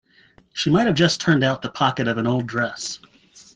She might have just turned out the pocket of an old dress.